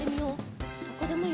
どこでもいいよ。